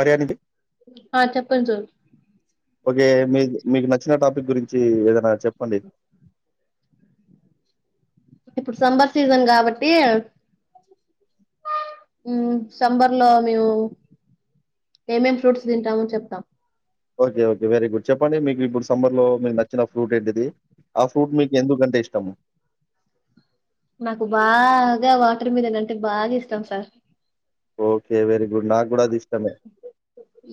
ఆర్యా ఆ చెప్పండి sir okay మీ మీకు నచ్చిన టప్ గురించి ఏదైనా చెప్పండి ఇప్పుడు సమ్మర్ సీజన్ కాబట్టి సంంబర్ లో మేము ఏమేం ఫ్రూట్స్ తింటాముని చెప్తాం ఓకే ఓకే వెరీ గుడ్ చెప్పండి మీకు ఇప్పుడు సంబర్ లో మీరు నచ్చిన ఫ్రూట్ ఏంటిది ఆ ఫ్రూట్ మీకు ఎందుకంటే ఇష్టము నాకు బాగా వాటర్ మీద ఏంటే బాగా ఇష్టాం సార్ ఓకే వెరీ గుడ్ నాకు కూడా అది ఇష్టమే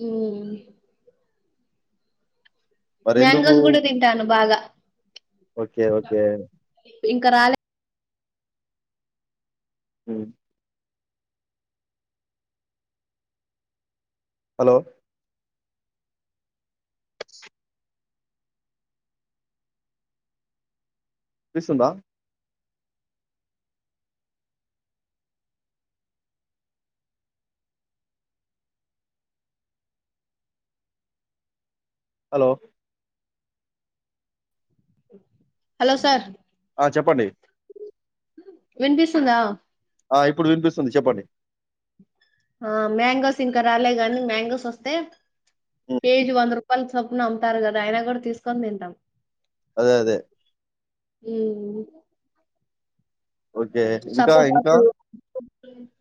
మ్మ్. మరెందుకు మ్యాంగోస్ కూడా తింటాను బాగా ఓకే. ఓకే. ఇంకా రాలే హ హలో తీసుందా హలో హలో సార్ ఆ చెప్పండి వెన్పిేసుందా ఆ ఇప్పుడు వినిపిస్తుంది చెప్పండి ఆ మ్యాంగోస్ ఇంకా రాలే గానీ మ్యాంగోస్ వస్తే హ్మ్. కేజి వంద రూపా ప్పల చొప్పున అమ్తారు కదా అయినా కూడా తీసుకొని తింటాం అదే అదే అ ఓకే. ఇంకా సపోర్ట్ ఇంకా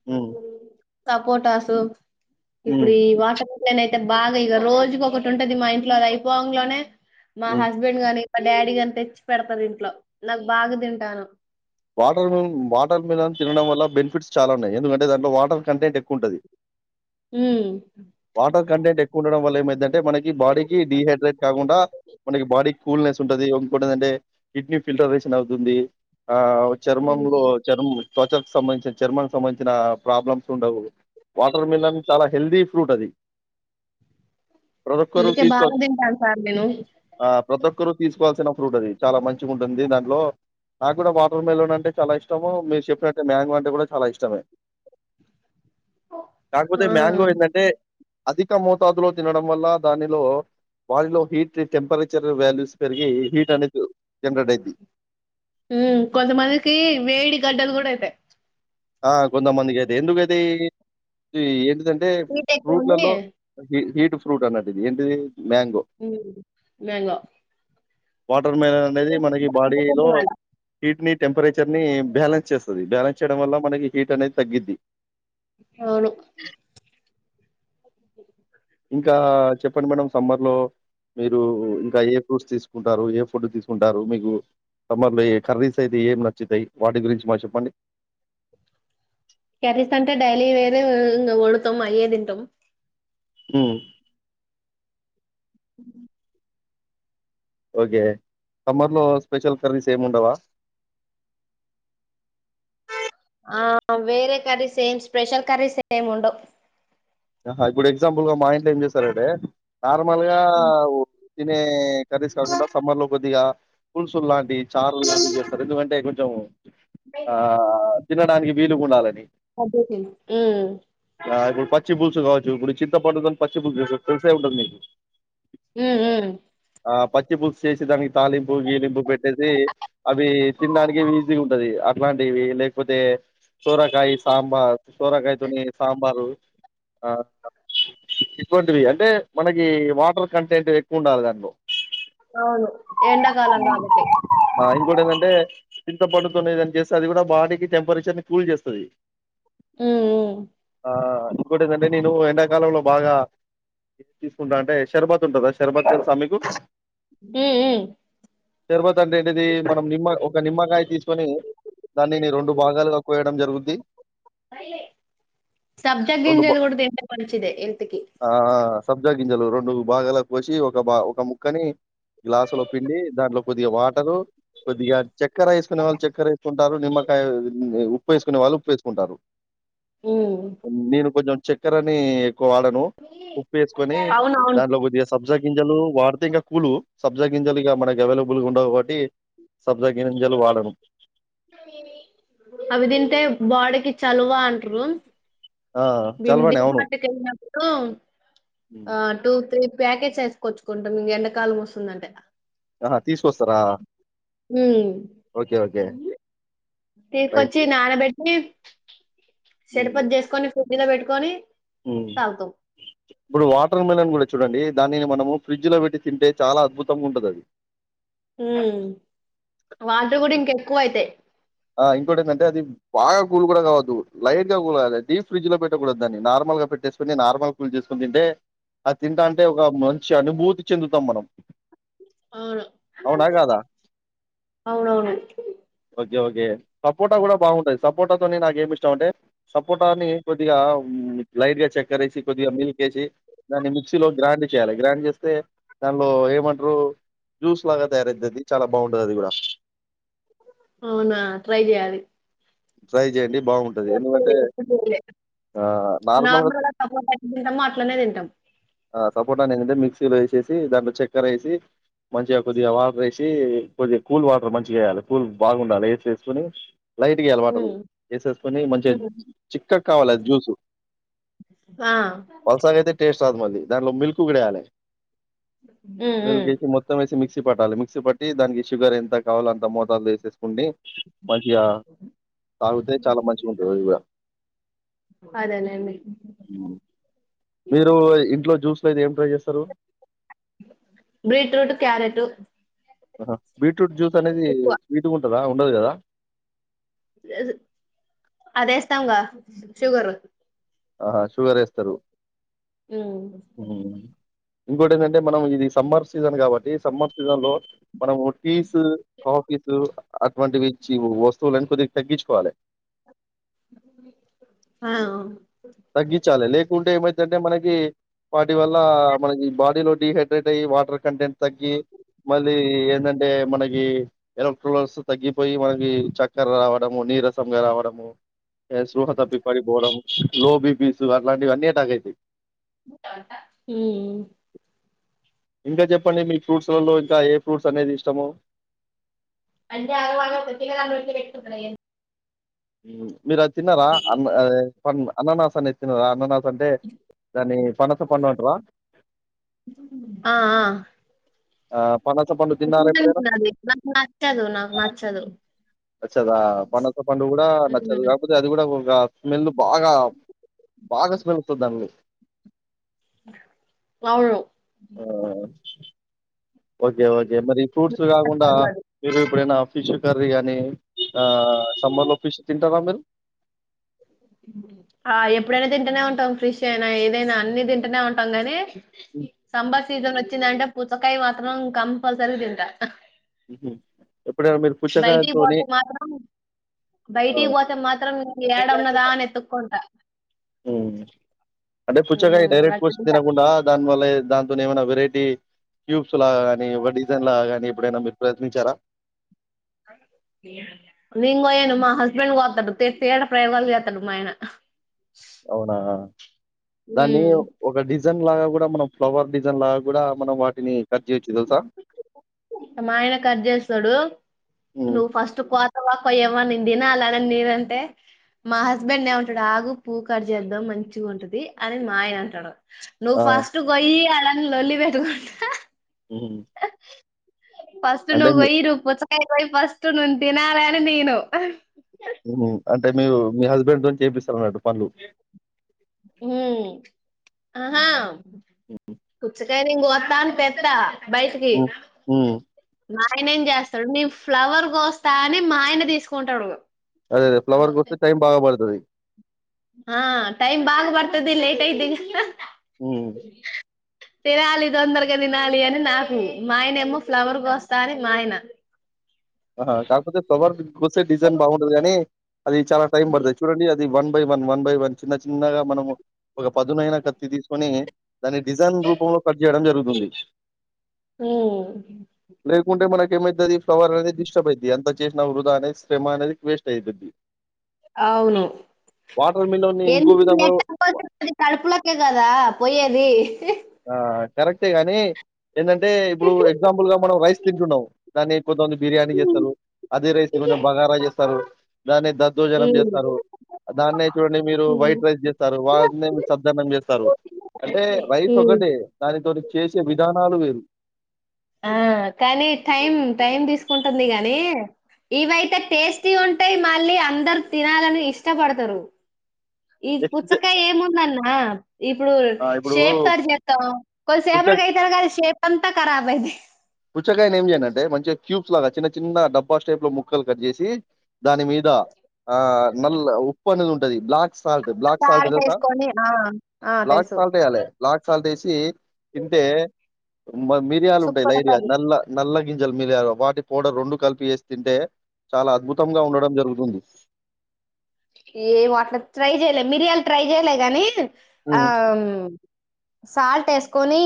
హ్మ్. సపోటాసు హ్మ్. ఇప్పుడి వాట నన అయితే బాగా ఇక రోజుకి ఒకటి ఉంటది మా ఇంట్లో అది అయిపోవ లోనే మా హ్మ్. హస్బెండ్ ని మా డాడీ గంత తెచ్చి పెడతంది ఇంట్లో నాకు బాగా తింటాను వాటర్ మిల్ వాటర్ మిల్ అని తినడం వల్ల బెనిఫిట్స్ చాలా ఉన్నాయి ఎందుకంటే దాంట్లో వాటర్ కంటెంట్ ఎక్కువ ఉంటుంది హ్మ్. పాట కంటెంట్ ఎక్కువ ఉండడం వల్ ఏంటే మనకి బాడీకి డిహైడ్రేట్ కాకుండా మనకి బాడీ కూల్నెస్ ఉంటది ఇంకోటిందంటే కిడ్నీ ఫిల్టరేషన్ అవుతుంది ఆ చర్మంలో హ్మ్. చర్మం తవచకు సంబంధించిన చర్మం సంబంధించిన ప్రాబ్లమ్స్ ఉండవు వాటర్ మిలన్ చాలా హెల్దీ ఫ్రూట్ అది ప్రడక్ చ అందుకే తీజ ప బాగా తింటాను సార్ నేను. ప్రతి ఒక్కరుూ తీసుకోవాల్సిన ఫ్రూట్ అది చాలా మంచిగా ఉంటుంది దాంట్లో కూడా వాటర్ మిలన్ అంటే చాలా ఇష్టము మీరు చెప్పినట్టే మ్యాంగో అంటే కూడా చాలా ఇష్టమే ఆ! కాకపోతే మ్యాంగో ఏంటంటే అధిక మోతాదులో తినడం వల్ల దానిలో వారిలో హీట్ టెంపరేచర్ వాల్యూస్ పెరిగి హీట్ అనేది జనరేట్ అయిద్ది మ్మ్ కొంతమందికి వేడి గడ్డలు గూడా అయితయ్ ఆ కొంతమందికి అయితయ్ ఎందుకు అయితయ్ దంటే స్వీట్ ఎక్కువుండి ఫ్రూట్లలో హీట్ ఫ్రూట్ అన్నట్టు ఏంటిది మ్యాంగో మ్మ్ మ్యాంగో రూమేన అనేది మనకి బాడీలో హీట్ని టెంపరేచర్ ని బ్యాలెన్స్ చేస్తది బ్యాలెన్స్ చేయడం వల్ల మనకి హీట్ అనేది తగ్గిద్ది అవును ప్పుడు మనం సమ్మర్ లో మీరు ఇంకా ఏ ఫ్రూట్స్ తీసు కుంటారు ఏ ఫుడ్ తీసుకుంటారు మీకు సమ్మర్లో ఏ కర్రీస్ అయితే ఏం నచ్చుతాయి వాటి గురించి మాకు చెప్పండి కర్రీస్ అంటే డైలీ వేరు ఇంగ ఉడకం అయ్యే తింటం హ్మ్ ఓకే సమ్మర్ లో స్పెషల్ కర్రీస్ ఏముండవా ఆ ఆ వేరే కర్రీస్ ఏం స్పెషల్ కర్రీస్ ఏం ఉండవ్ ఆహా ఇప్పుడు ఎగ్జాంపుల్ గ మా ఇంట్లో ఏం చేసారటే నార్మల్ గా తినే కర్రీస్ కాకుండా సమ్మర్ లో కొద్దిగా పులుసుల్ లాంటి చారుల్ లాంటి చేస్తారు ఎందుకంటే కొంచెం ఆ తినడానికి వీలుగుండాలని కట్ చేసేనా మ్మ్ మాది పచ్చి పులుసు కావచ్చు ఇప్పుడు చింత పండు గని పచ్చి పులుసు చేసి తెలిసే ఉంటంది మీకు హ్మ్ హు ఆ పచ్చి పులుసు చేసి దానికి తాలింపు గీలింపు పెట్టేసి అవి తినడానికి వీజీగా ఉంటది అట్లాంటివి లేకపోతే సొరకాయి సాంబార్ సొరకాయ్ తోని సాంబారు ఆ ఇటువంటివి అంటే మనకి వాటర్ కంటెంట్ ఎక్కువ ఉండాలి దాన్లో అవును ఎండాకాలం కాబట్టి ఇంకొటి ఏంటంటే చింతపండుతోని ఎదైన చేస్తే అది కూడా బాడీకి టెంపరేచర్ ని కూల్ చేస్తది హ్మ్ ఆ ఇంకోటి ఎంది అంటే నేను ఎండాకాలంలో బాగా ఇది తీస్కుంట అంటే షర్బత్ ఉంటుంద షర్బత్ తెల్సా మీకు మ్మ్ మ్మ్ తర్వాత అంటే ఏంటిది మనం నిమ్మ ఒక నిమ్మకాయ తీసుకొని దాన్నిని రెండు భాగాలుగా కోయడం జరుగుద్ది సబ్జా రెండు గింజలు గూడా తింటే మంచిదే హెల్త్ కి ఆ! సబ్జా గింజలు రెండు భాగాల కోసి ఒక బా ఒక ముక్కని గ్లాసులో పిండి దాన్లో కొద్దిగా వాటరు కొద్దిగా చక్కెర ఎస్కునే వాళ్ళు చక్కెర ఎస్కుంటారు నిమ్మకాయ ఉప్పు ఎస్కునే వాళ్ళు ఉప్పు ఎస్కుంటారు మ్మ్ కొంచెం చక్కెర అని ఎక్కువ వాడను ఉప్పు వేసుకొని అవునవును దాన్లో కొద్దిగ సబ్జా గింజలు వాడితే ఇంకా కూలు సబ్జా గింజలు ఇగ మనకి అవైలబుల్ గా ఉండవు కాబట్టి సబ్జా గింజలు వాడను. అవి తింటే బాడికీ చలువా అంట్రు ఆ! మేము చలవనే అవును. డిమార్ట్ కెళ్ళినప్పుడు హ్మ్. ఆ టూ త్రీ ప్యాకేజ్ సెచ్చుకొచ్చుకుంటం ఇం ఎండకాలం వస్తుందంటే ఇగ ఆహా తీస్కొస్తారా మ్మ్మ్ రైట్. తీసుకొచ్చి నానబెట్టి షెర్పత్ జేస్కొని ఫ్రిడ్జ్ లో పెట్టుకొని మ్మ్ తాగుతాం ఇప్పుడు వాటర్ మిలన్ గూడా చూడండి దానిని మనము ఫ్రిడ్జ్ లో పెట్టి తింటే చాలా అద్భుతంగ ఉంటది అది హ వాటర్ కూడా ఇంక ఎక్కువ అయితేయి ఆ ఇంకోటి ఏంటంటే అది బాగా కూల్ కూడా కావద్దు లైట్ కూల్ కావాలదు ప్ ఫ్రిడ్జ్ లో పెట్టకూడదు దాన్ని నార్మల్గా పెట్టేసుకుని నార్మల్ కూల్ చేసుకుని తింటే ఆ తింటా అంటే ఒక మంచి అనుభూతి చెందుతాం మనం అవును అవునా కాదా అవునవును ఓకే ఓకే సపోటా కూడా బాగుంటాది సపోటాతోని నాక ఏమి ఇష్టాం అంటే సపోటాని కొద్దిగా లైట్ గా చక్కర వేసి కొద్దిగా మిల్కేసి దాన్ని మిక్సీలో గ్రైండ్ చేయాలి గ్రైండ్ చేస్తే దానిలో ఏమంటారు జ్యూస్ లాగా తయారైతుది చాలా బాగుంటది అది కూడా అవునా ట్రై చేయాలి ట్రై చేయండి ఎప్పలే ఎప్పలే ఆహ్, నార్మల్‌గా నార్మల్ గా తపోటాచ్చ తింటామో అట్లనే తింటాం ఆ సపోటా ననుంటే మిక్సీలో వేసేసి దాంట్లో చక్కర వేసి మంచిగా కొద్దిగా వాటర్ వేసి కొద్దిగా కూల్ వాటర్ మంచిగా వేయాలి కూల్ బాగుండాలి వేసి వేసుకొని లైట్ అలవాట హ్మ్. వేసేసుకొని మంచిగా హ్మ్. చిక్కకు కావాలి అది జ్యూసు ఆ ప్రసా మ దానిలో మిల్క్ కూడా వేయాలి హ్మ్. మిల్క్ హ్మ్. వే మొత్తం వ మిక్ మిక్సీ పట్టాలి మిక్సీ పట్టి దానికి షుగర్ ఎంత కావాలో అంత మోతాలు వేసేసుకుంటని మంచిగా తాగుతే చాలా మంచిగా ఉంటంది ఇది కూడా అదే నండి మీరు ఇంట్లో జ్యూస్లో అయితే ఏం ట్రై చేస్తారు బీట్రూట్ క్యారెట్ బీట్రూట్ జ్యూస్ అనేది ఎక్కువ స్వీట్గా ఉంటందా ఉండదు కదా షుగర్ ఆహా షుగర్ వేస్తారు అ ఇంకోటి ఏంటంటే మనం ఇది సమ్మర్ సీజన్ కాబట్టి సమ్మర్ సీజన్ లో మనము టీసు కాఫీస్ అటువంటివిచ్చ వస్తువులుని కొద్దిగా తగ్గించుకోవాలి ఆ తగ్గించాలి లేకుంటే ఏమైతంటే మనకి వాటి వల్ల మనకి బాడీలో డిహైడ్రేట్ అ వాటర్ కన్ంటెంట్ తగ్గి మళ్ళీ ఏంటంటే మనకి ఎలక్ట్రక్స్ తగ్గిపోయి మనకి చక్కర రావడం ఉ నీ రసంగా రావడము శృహత పిపడి బోరం లోబి పీసు అలాంటివి అన్నీటాక అవుతాయి హ ఇంకా చెప్పండి మీ ఫ్రూట్స్లలో ఇంకా ఏ ఫ్రూట్స్ అనేది ఇష్టము అంటే ఆరో వా పటిక తతే వ్యక్తపడంది మీరు అది తిన్నారా అన్న అన్ననాస అనే తిన్నారా అన్ననాస అంటే దాని పనస పన్నంటవా ది నాకు నచ్చదు నాకు నచ్చదు నచ్చదా పన్నస పండు కూడా నచ్చదు హ్మ్. కాకపోతే అది కూడా ఒక స్మెల్ బాగా బాగా స్మెల్స్తుందండి అవును. అ ఓకే ఓకే మరి ఫ్రూట్స్ నాకు కాకుండా నచ్చదు అది. మీరు ఇప్పుడైనా ఫిష్ కర్రీ అని ఆ సంబర్ లో ఫిష్ తింటారా మీరు ఆ ఎప్పుడైనా తింటూనే ఉంటాం క్రిషి అయినా ఏదైనా అన్ని తింటూనే ఉంటాం గానీ హ్మ్. సంబర్ సీజన్ వచ్చిందంటే పుచ్చకాయ మాత్రం కంపల్సరీ తింటా ఎప్పుడనా మీరు బయటికి పుచ్చకాయతో పోతే మాత్రం బయటికి పోతే మాత్రం న ఏడ ఉన్నదా అని ఎతుక్కకుంటా అంటే పుచ్చకాయ ఉమ్ డైరెక్ట్ అట్లా కోస్కుని తింటా తినకుండా దానివల్ల దాంతోనే ఏమైనా వెరైటీ క్యూబ్స్ లాగాగాని ఒక డిజైన్ లాగాగాని ఎప్పుడైనా మీరు ప్రయత్నించారా నేను కొయాను మా హస్బెండ్ కొతాడు తేడా ప్రయోగాలు చేస్తాడు మా ఆయన అవునా దాన్ని ఉమ్ ఒక డిజైన్ లాగా కూడా మనం ఫ్లవర్ డిజైన్ లాగా కూడా మనం వాటిని కట్ చేయచ్చు తెలుసా మా ఆయన కట్ చేస్తాడు హ్మ్. నువ్వు ఫస్ట్ కోత యావ నేను తినాలని అంటే మా హస్బెండ్ ఏమి ఉంటాడు ఆగు పూ కట్ చేద్దాం మంచిగా ఉంటది అని మా ఆయన అంటాడు నువ్ ఆ! ఫస్ట్ గొయి అలానికి లోలి బెట్కుంట ఉ ఫస్ట్ నువ్వు కోయి నువు పుచ్చకాయ కోయ్ ఫస్ట్ నేను తినాలని తీయను అంటే మీరు మీ హస్బెండ్ తో చేపిస్తారు అన్నట్టు పనులు హ్మ్మ్ ఆహా నేన్ కొత్త అని తెత బయటకి హ్మ్. హ్మ్. ఆయన ఏం చేస్తాడు నీ ఫ్లవర్ కోస్తా అని మా ఆయన తీసుకుంటాడు అదే అదే ఫ్లవర్ గ వస్తే టైమ్ బాగా పడతాది ఆ టైమ్ బాగా పడతాది లేట్ అయిది హ్మ్. తినాలి తొందరగా తినాలి అని నాకు మా ఆయనే ఏమో ఫ్లవర్కి వస్తా అని మా ఆయన [inaudible] ఆ కాకపోతే ఫ్లవర్ కొస్తే డిజైన్ బాగుంటది కాగానీ అది చాలా టైం పడుతుది చూడండి అ ఇది one by one one by one చిన్న చిన్నగా మనం ఒక పదునైైన కత్తి తీసుకొని దాన్ని డిజైన్ రూపంలో కట్ చేయడం జరుగుతుంది ఉమ్మ్మ్ ఇంకేమైతది ఫ్లవర్ అనేది డిస్టర్బ్ అయితుది అంత చేసిన వృధా అది శ్రమ అనేది వేస్ట్ అవుతుది అవును మిలన్‌ని ఇంకో ఎన్ని విధంగా ఎట్టపోతే అది కడుపులోకే కదా పోయేది ఆ కరెక్టే గాని ఏంటంటే ఇప్పుడు ఎగ్జాంపుల్ గా మనం రైస్ తింటున్నాం దాన్ని కొన్ని బిర్యానీ చేస్తారు అదే రైస్ కొంచెం బగారా చేస్తారు దాన్ని దద్దోజనం చేస్తారు దాన్నే చూడండి మీరు వైట్ రైస్ చేస్తారు వాటినేమో సద్దన్నం చేస్తారు అంటే రైస్ ఒకటే దానితోటి చేసే విధానాలు వేరు ఆ కానీ టైం టైం తీసుకుంటుంది గానీ ఇవయితే టేస్టీ ఉంటాయి మళ్ళీ అందరు తినాలని ఇష్టపడతారు ఈ నెక్స్ట్ డే పుచ్చకాయ ఏం ఉందన్నా ఇప్పుడు ఆ! ఇప్పుడు షేప్ తారు చేస్తాం పుచ్చ కొద్సేపటికి అయితారు కాదా షేప్ అంతా కరాబ్ అయింది పుచ్చకాయన ఏం చేయాలంటే మంచిగా క్యూ లాగా చిన్న చిన్న డబ్బా స్టైప్ లో ముక్కలు కట్ చేేసి దాని మీద ఆ నల్ల ఉప్పు అనేది ఉంటది బ్లాక్ ఫల్ట్ బ్లాక్ సాల్ట్సా సాల్ట్ తెలుసా వేసుకొని ఆ, ఆ, బ్లాక్ తెలుసు సాల్ట్ వేయలే బ్లాక్ సాల్ట్ తింటే మిరియాలు ఉంటాయి సూపర్ లైట్ గ ఉంటుంది నల్ల నల్ల గింజలు మిరియాలు వాటి పౌడర్ రెండు కలిపి వేసి తింటే చాలా అద్భుతంగా ఉండడం జరుగుతుంది యేవో అట్లా ట్రై చెయ్యలే మిరియాలు ట్రై చెయలే గానీ ఆ ఉమ్ సాల్ట్ వేసుకొని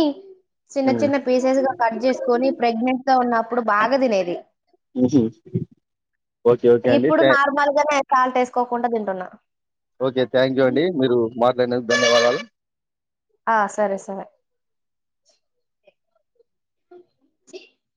చిన్న ఉమ్ చిన్న పీసెస్ గా కట్ చేసుకొని ప్రెగ్నెంట్ గా ఉన్న ఇప్పుడు బాగా తినేది ఓకే ఓకే అండి ఇప్పుడు థన్ నార్మల్ గానే సాల్ట్ వేసుకోకుండా తింటున్న ఓకే థ్యాంక్ యూ అండి మీరు మాట్లాడినందుకు ధన్యవాదాలు ఆ సరే సరే చి